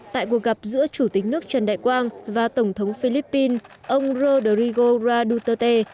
tại cuộc gặp giữa chủ tịch nước trần đại quang và tổng thống philippines ông rodrigo raduterte